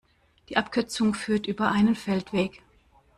Die Abkürzung führt über einen Feldweg.